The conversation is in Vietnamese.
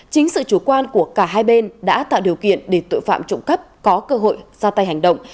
chính sự chủ quan của cả hai bên đã tạo điều kiện để tội phạm trộm cắp có cơ hội ra tay hành động